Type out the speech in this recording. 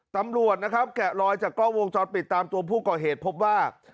ตำรวจนะครับแกะลอยจากกล้องวงจรปิดตามตัวผู้ก่อเหตุพบว่า